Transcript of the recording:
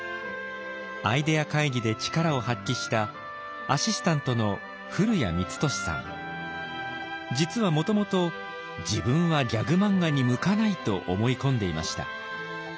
アイデア会議で力を発揮したアシスタントの実はもともと自分はギャグ漫画に向かないと思い込んでいました。